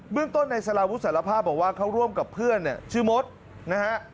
เรื่องต้นในสารวุฒิสารภาพบอกว่าเขาร่วมกับเพื่อนเนี่ยชื่อมดนะฮะ